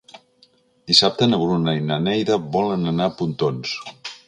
Dissabte na Bruna i na Neida volen anar a Pontons.